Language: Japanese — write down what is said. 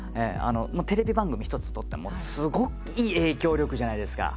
テレビ番組一つとってもすごい影響力じゃないですか。